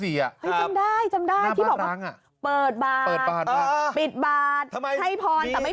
เฮ้ยจำได้ที่บอกว่าเปิดบาทปิดบาทให้พรแต่ไม่มีคน